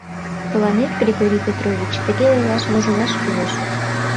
Тыланет, Григорий Петрович, тыге ойлаш вожылаш кӱлеш.